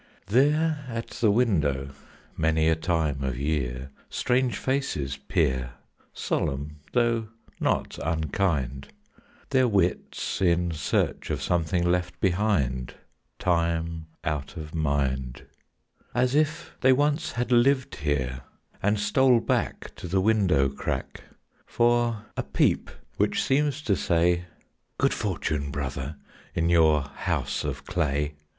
There at the window many a time of year, Strange faces peer, Solemn though not unkind, Their wits in search of something left behind Time out of mind; As if they once had lived here, and stole back To the window crack For a peep which seems to say, "Good fortune, brother, in your house of clay!"